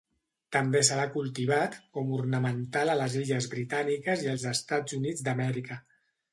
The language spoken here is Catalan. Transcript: També se l'ha cultivat com ornamental a les illes Britàniques i als Estats Units d'Amèrica.